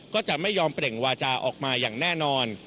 ก็จะไม่ยอมเปล่งวาจาออกมาอย่างแน่นอน